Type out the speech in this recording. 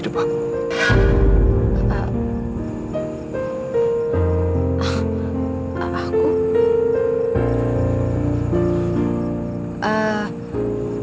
kamu tuh kerasin